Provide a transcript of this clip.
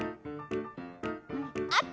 あった！